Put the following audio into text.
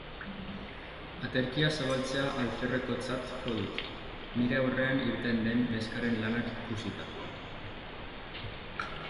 Aterkia zabaltzea alferrekotzat jo dut, nire aurrean irten den neskaren lanak ikusita.